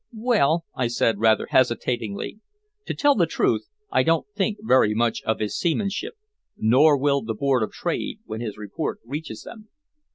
"Well," I said rather hesitatingly, "to tell the truth, I don't think very much of his seamanship nor will the Board of Trade when his report reaches them."